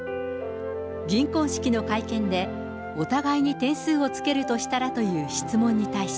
銀婚式の会見で、お互いに点数をつけるとしたらという質問に対し。